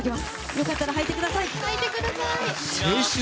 良かったら、はいてください。